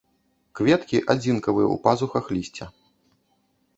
Кветкі адзінкавыя ў пазухах лісця.